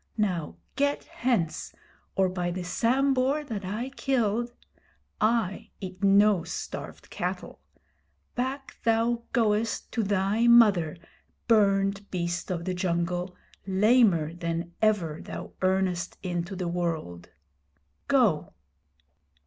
Now get hence, or by the Sambhur that I killed (I eat no starved cattle), back thou goest to thy mother, burned beast of the jungle, lamer than ever thou earnest into the world! Go!'